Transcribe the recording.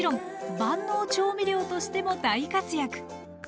万能調味料としても大活躍。